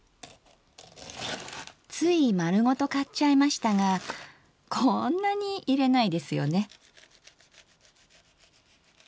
つい丸ごと買っちゃいましたがこんなに入れないですよね。